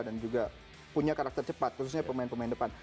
dan juga punya karakter cepat khususnya pemain pemain depan